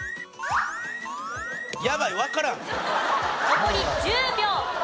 残り１０秒。